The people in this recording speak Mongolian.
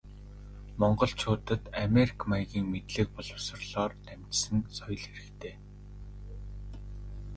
Монголчуудад америк маягийн мэдлэг боловсролоор дамжсан соёл хэрэгтэй.